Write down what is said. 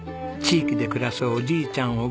地域で暮らすおじいちゃん